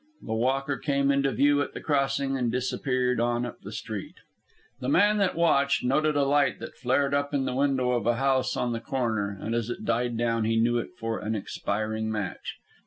The walker came into view at the crossing and disappeared on up the street. The man that watched, noted a light that flared up in the window of a house on the corner, and as it died down he knew it for an expiring match.